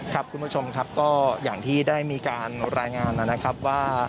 คุณผู้ชมครับก็อย่างที่ได้มีการรายงานนะครับว่า